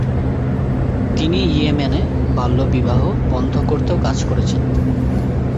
তিনি ইয়েমেনে বাল্যবিবাহ বন্ধ করতেও কাজ করেছেন।